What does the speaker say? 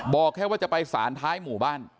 บอกแค่ว่าจะไปสารท้ายหมู่บ้าน